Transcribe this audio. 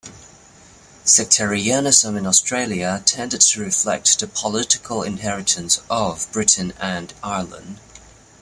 Sectarianism in Australia tended to reflect the political inheritance of Britain and Ireland.